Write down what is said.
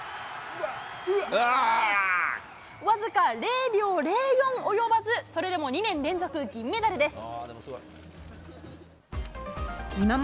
僅か０秒０４及ばず、それでも２年連続銀メダルです。